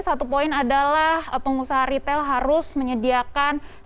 satu poin adalah pengusaha retail harus menyediakan